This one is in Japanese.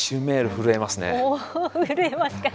震えますか。